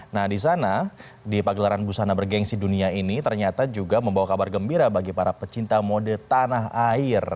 nah di sana di pagelaran busana bergensi dunia ini ternyata juga membawa kabar gembira bagi para pecinta mode tanah air